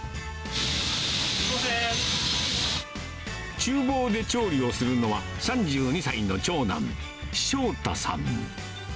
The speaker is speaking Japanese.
ちゅう房で調理をするのは、３２歳の長男、翔太さん。